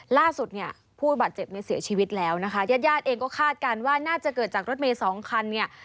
ล่าสุดเนี่ยผู้บาดเจ็บเนี่ยเสียชีวิตแล้วนะคะญาติญาติเองก็คาดการณ์ว่าน่าจะเกิดจากรถเมย์สองคันเนี่ย